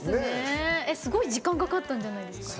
すごい時間かかったんじゃないですか？